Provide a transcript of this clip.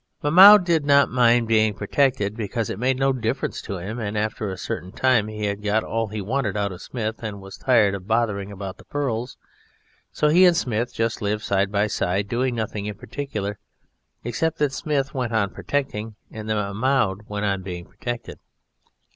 Mahmoud did not mind being protected, because it made no difference to him, and after a certain time he had got all he wanted out of Smith, and was tired of bothering about the pearls. So he and Smith just lived side by side doing nothing in particular, except that Smith went on protecting and that Mahmoud went on being protected.